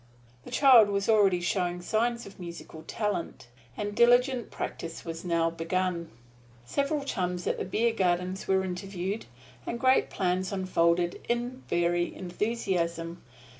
The child was already showing signs of musical talent; and diligent practise was now begun. Several chums at the beer gardens were interviewed and great plans unfolded in beery enthusiasm.